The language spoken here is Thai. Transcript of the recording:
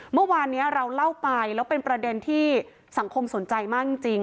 เมื่อวานนี้เราเล่าไปแล้วเป็นประเด็นที่สังคมสนใจมากจริง